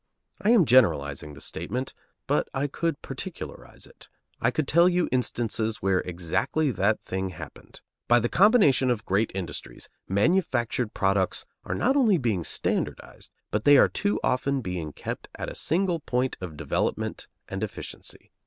I am generalizing the statement, but I could particularize it. I could tell you instances where exactly that thing happened. By the combination of great industries, manufactured products are not only being standardized, but they are too often being kept at a single point of development and efficiency.